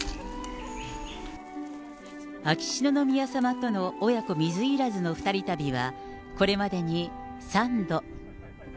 秋篠宮さまとの親子水入らずの２人旅は、これまでに３度。